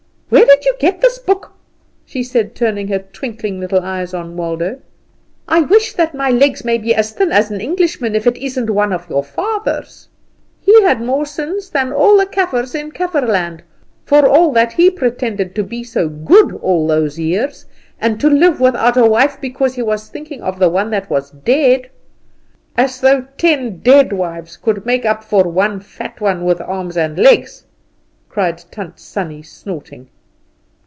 "Where did you get this book?" she asked, turning her twinkling little eyes on Waldo. "I wish that my legs may be as thin as an Englishman's if it isn't one of your father's. He had more sins than all the Kaffers in Kafferland, for all that he pretended to be so good all those years, and to live without a wife because he was thinking of the one that was dead! As though ten dead wives could make up for one fat one with arms and legs!" cried Tant Sannie, snorting.